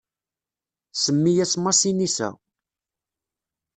Semmi-as Masinisa.